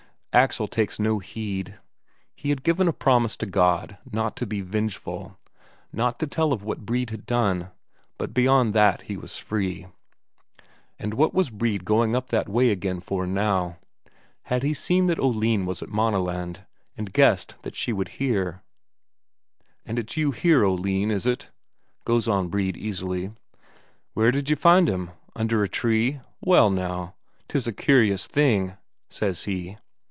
Axel takes no heed. He had given a promise to God not to be vengeful, not to tell of what Brede had done, but beyond that he was free. And what was Brede going up that way again for now? Had he seen that Oline was at Maaneland, and guessed that she would hear? "And it's you here, Oline, is it?" goes on Brede easily. "Where d'you find him? Under a tree? Well, now, 'tis a curious thing," says he.